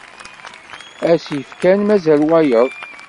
Ass yefkan mazal wayeḍ.